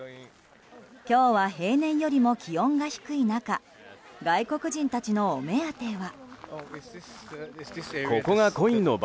今日は平年よりも気温が低い中外国人たちのお目当ては。